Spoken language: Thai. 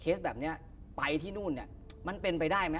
เคสแบบนี้ไปที่นู่นมันเป็นไปได้ไหม